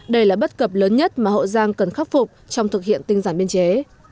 đây là bất cập lớn nhất mà hậu giang cần khắc phục trong thực hiện tinh giản biên chế